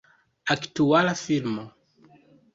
Aktuala filmo.